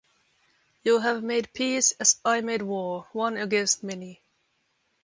You have made peace as I made war, one against many.